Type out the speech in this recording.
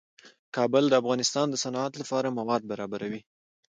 کابل د افغانستان د صنعت لپاره مواد برابروي.